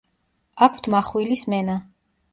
აქვთ მახვილი სმენა.